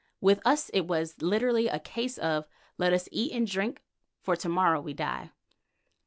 With us it was literally a case of "Let us eat and drink, for to morrow we die."